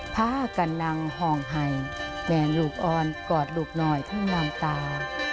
พากันนังห้องไห่แม่ลูกอ่อนกอดลูกหน่อยทั้งน้ำตา